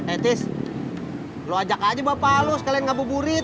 eh tis lo ajak aja bapak lo sekalian ngabuburit